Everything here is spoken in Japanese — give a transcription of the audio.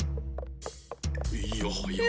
いやはや。